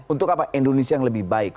untuk apa indonesia yang lebih baik